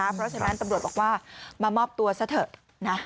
เพราะฉะนั้นตำรวจบอกว่ามามอบตัวซะเถอะนะ